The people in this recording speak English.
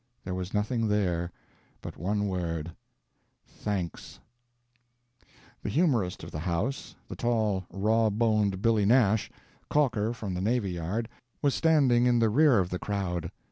There was nothing there but one word— "Thanks." The humorist of the house, the tall, raw boned Billy Nash, caulker from the navy yard, was standing in the rear of the crowd.